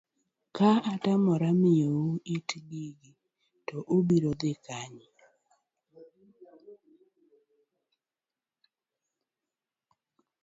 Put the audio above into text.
ka atamora miyou it gigi to ubiro dhi kanye?